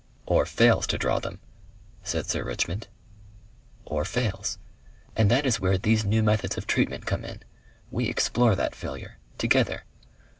"Or fails to draw them," said Sir Richmond. "Or fails.... And that is where these new methods of treatment come in. We explore that failure. Together.